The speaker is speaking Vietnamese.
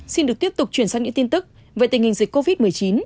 xin được tiếp tục chuyển sang những tin tức về tình hình dịch covid một mươi chín